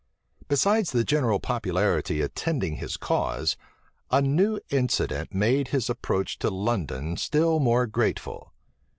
Besides the general popularity attending his cause, a new incident made his approach to London still more grateful.